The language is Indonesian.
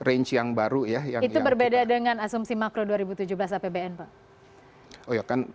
itu berbeda dengan asumsi makro dua ribu tujuh belas apbn pak